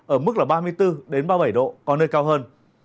ở mức là ba mươi bốn ba mươi bảy độ có nơi cao hơn